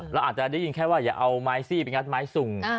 เราอาจจะได้ยินแค่ว่าอย่าเอาไม้ซี่ไปงัดไม้สุ่ม